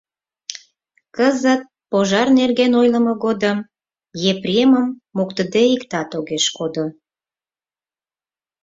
Кызыт пожар нерген ойлымо годым Епремым моктыде иктат огеш кодо.